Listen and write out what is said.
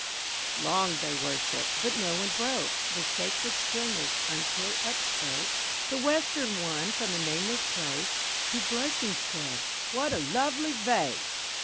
Long they worshipped; but no one broke The sacred stillness, until upspoke The Western one from the nameless place, Who, blushing, said: "What a lovely vase!"